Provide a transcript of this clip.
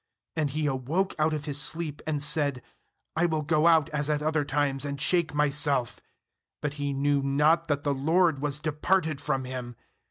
7 And he awoke out of his sleep, and said: 'I will go out as at other times, and shake myself/ But he knew not that the LORD was departed from him.